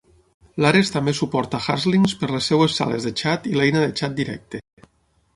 L'Ares també suporta "haslinks" per les seves sales de xat i l'eina de xat directe.